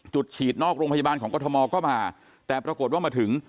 ฉีดนอกโรงพยาบาลของกรทมก็มาแต่ปรากฏว่ามาถึง